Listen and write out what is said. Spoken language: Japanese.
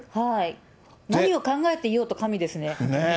何を考えていようと、神ですね。